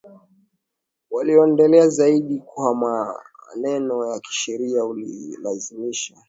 walioendelea zaidi kwa maneno ya kisheria ulilazimisha